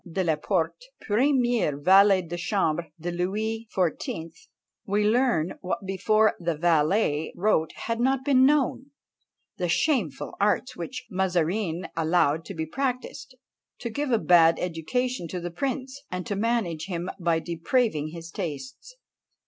de la Porte, premier valet de chambre de Louis XIV._, we learn what before "the valet" wrote had not been known the shameful arts which Mazarin allowed to be practised, to give a bad education to the prince, and to manage him by depraving his tastes.